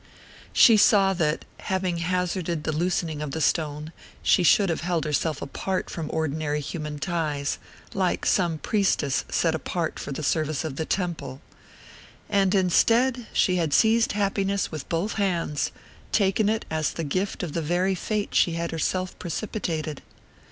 She saw that, having hazarded the loosening of the stone, she should have held herself apart from ordinary human ties, like some priestess set apart for the service of the temple. And instead, she had seized happiness with both hands, taken it as the gift of the very fate she had herself precipitated!